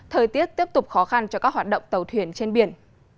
thời tiết tiếp tục khó khăn cho các hoạt động tàu thuyền trên biển